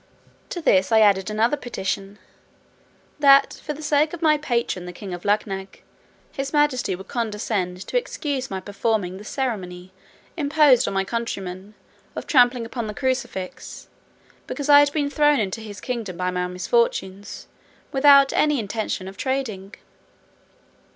To this I added another petition, "that for the sake of my patron the king of Luggnagg, his majesty would condescend to excuse my performing the ceremony imposed on my countrymen, of trampling upon the crucifix, because I had been thrown into his kingdom by my misfortunes, without any intention of trading."